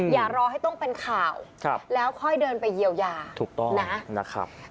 อย่ารอให้ต้องเป็นข่าวแล้วค่อยเดินไปเยียวยาถูกต้องนะครับ